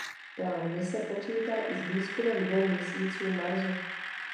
Plán mise počítal i s výzkumem dvou měsíců Marsu.